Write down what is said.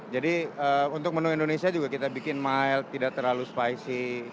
jadi untuk menu indonesia juga kita bikin mild tidak terlalu spicy